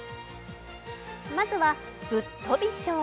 まずはぶっとび賞。